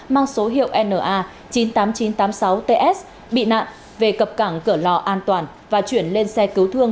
mang số hiệu na chín mươi tám nghìn chín trăm tám mươi sáu ts bị nạn về cập cảng cửa lò an toàn và chuyển lên xe cứu thương